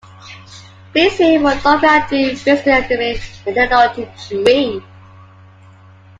Please see here for Doctor Andrew Whinston's Academic Genealogy Tree.